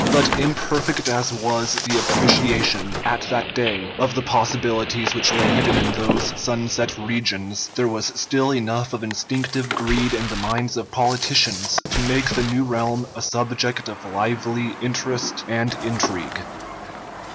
But imperfect as was the appreciation, at that day, of the possibilities which lay hidden in those sunset regions, there was still enough of instinctive greed in the minds of politicians to make the new realm a subject of lively interest and intrigue.